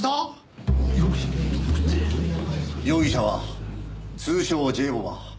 容疑者は通称Ｊ・ボマー。